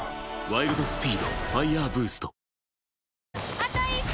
あと１周！